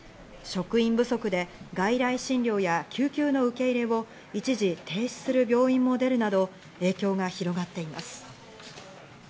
職員不足で外来診療や救急の受け入れを一時、停止する病院も出るなど影響が広がっています。